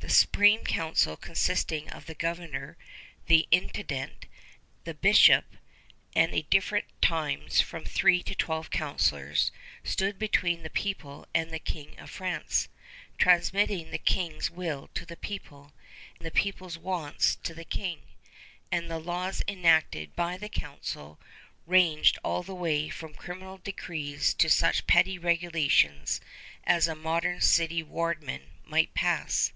The Supreme Council, consisting of the governor, the intendant, the bishop, and at different times from three to twelve councilors, stood between the people and the King of France, transmitting the King's will to the people, the people's wants to the King; and the laws enacted by the council ranged all the way from criminal decrees to such petty regulations as a modern city wardman might pass.